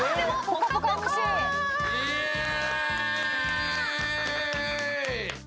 イェーイ！